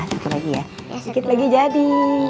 dikit lagi jadi